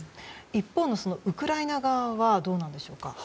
一方のウクライナ側はどうなんでしょうか。